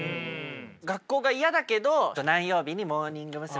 学校が嫌だけど何曜日にモーニング娘。